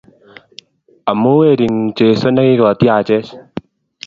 Am u Wering'ung' Jesu ne kigotiachech.